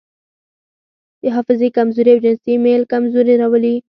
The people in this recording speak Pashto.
د حافظې کمزوري او جنسي میل کمزوري راولي.